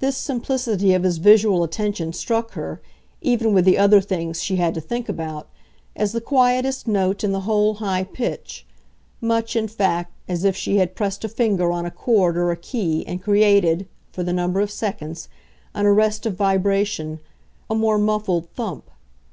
This simplicity of his visual attention struck her, even with the other things she had to think about, as the quietest note in the whole high pitch much, in fact, as if she had pressed a finger on a chord or a key and created, for the number of seconds, an arrest of vibration, a more muffled thump.